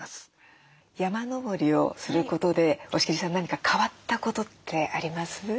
山登りをすることで押切さん何か変わったことってあります？